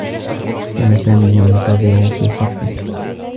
كان سامي ينتظر في صفّ.